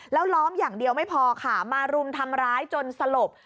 แล้วล้อมอย่างเดียวไม่พอค่ะมารุมทำร้ายจนสลบ